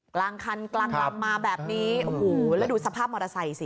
กลางคันกลางลำมาแบบนี้โอ้โหแล้วดูสภาพมอเตอร์ไซค์สิ